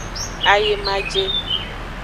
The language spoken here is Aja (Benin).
Ayemaje.